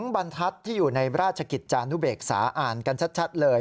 บรรทัศน์ที่อยู่ในราชกิจจานุเบกษาอ่านกันชัดเลย